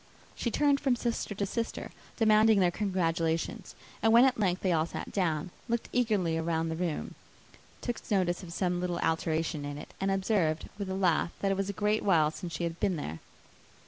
She turned from sister to sister, demanding their congratulations; and when at length they all sat down, looked eagerly round the room, took notice of some little alteration in it, and observed, with a laugh, that it was a great while since she had been there.